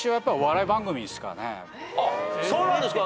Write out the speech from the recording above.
そうなんですか。